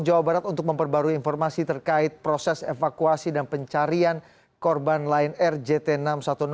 jawa barat untuk memperbarui informasi terkait proses evakuasi dan pencarian korban lion air jt enam ratus sepuluh